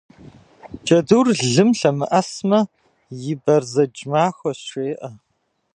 Джэдур лым лъэмыӏэсмэ, си бэрзэдж махуэщ, жеӏэ.